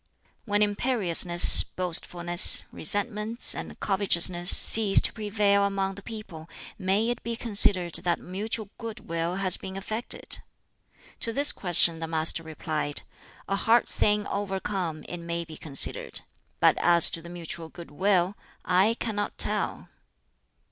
"When imperiousness, boastfulness, resentments, and covetousness cease to prevail among the people, may it be considered that mutual good will has been effected?" To this question the Master replied, "A hard thing overcome, it may be considered. But as to the mutual good will I cannot tell."